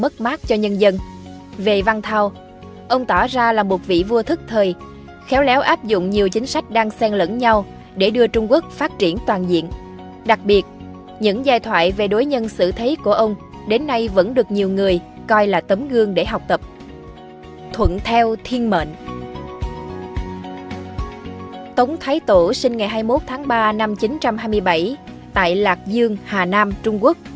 tống thái tổ sinh ngày hai mươi một tháng ba năm một nghìn chín trăm hai mươi bảy tại lạc dương hà nam trung quốc